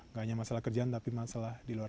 gak hanya masalah kerjaan tapi berbicara sama orang lain